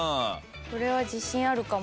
これは自信あるかも。